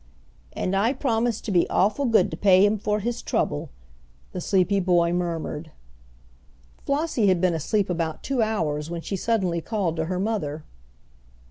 "And I promised to be awful good to pay Him for His trouble," the sleepy boy murmured. Flossie had been asleep about two hours when she suddenly called to her mother.